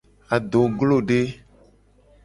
Adoglode.